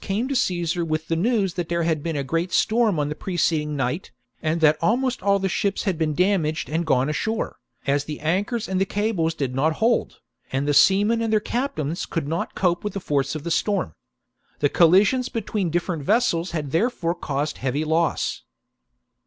came to Caesar with the news that there had been a great storm on the preceding night, and that almost all the ships had been damaged and gone ashore, as the anchors and cables did not hold, and the seamen and their captains could not cope with the force of the storm. The collisions between different vessels had therefore caused heavy loss.